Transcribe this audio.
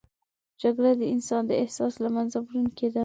جګړه د انسان د احساس له منځه وړونکې ده